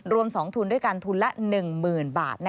รวม๒ทุนด้วยการทุนละ๑หมื่นบาท